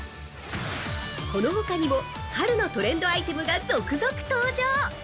このほかにも、春のトレンドアイテムが続々登場！